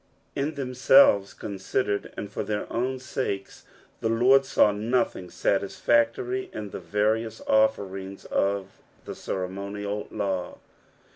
^' In themselves considered, and for their own ask ea, the Lord aaw nothing aatisfaetory in the various offerings of the ceremonial law.